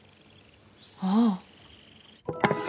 ああ。